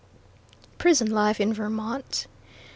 PRISON LIFE IN VERMONT.